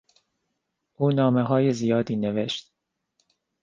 او نامههای زیادی نوشت.